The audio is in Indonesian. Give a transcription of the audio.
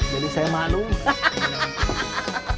jadi saya maklum hahaha